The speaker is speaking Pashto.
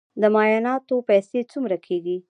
د معایناتو پیسې څومره کیږي؟